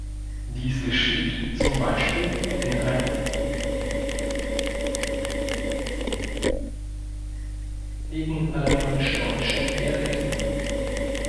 Dies geschieht, zum Beispiel, in einigen alemannisch-deutschen Dialekten.